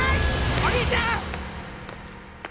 お兄ちゃん！